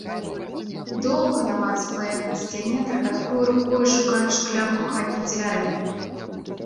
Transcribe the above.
Доўга намацвала яна на сцяне, трапяткою рукою шукаючы клямку хатніх дзвярэй.